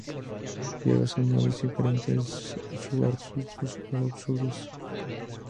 Hierbas anuales o perennes, subarbustos o arbustos.